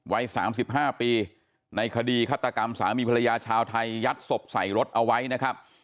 วัย๓๕ปีในคดีฆาตกรรมสามีภรรยาชาวไทยยัดศพใส่รถเอาไว้นะครับ